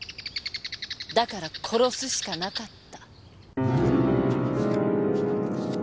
だから殺すしかなかった。